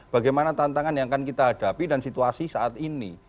bagaimana tantangan yang akan kita hadapi dan situasi saat ini